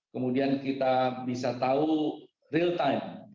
kemudian kita bisa tahu real time